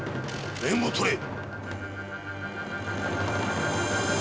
面を取れ！